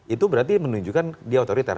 itu berarti menunjukkan dia otoriter